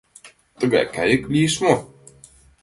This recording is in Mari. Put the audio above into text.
Тыгай кайык лиеш мо?..